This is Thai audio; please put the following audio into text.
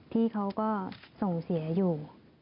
ที่เขาก็ส่งเสียอยู่